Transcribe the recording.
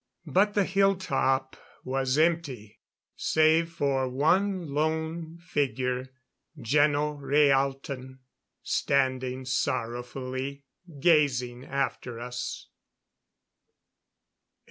But the hilltop was empty, save for one lone figure Geno Rhaalton standing sorrowfully gazing after us.